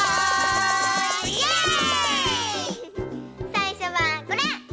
さいしょはこれ！